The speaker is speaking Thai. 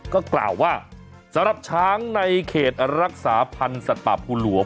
ก็กล่าวว่าสำหรับช้างในเขตรักษาพันธ์สัตว์ป่าภูหลวง